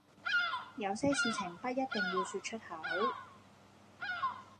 有些事情不一定要說出口